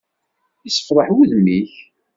Yessefraḥ wudem-ik!